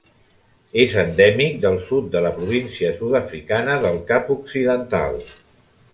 És endèmic del sud de la província sud-africana del Cap Occidental.